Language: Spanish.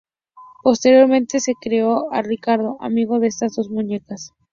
Posteriormente se creó a "Ricardo" amigo de estas dos muñecas.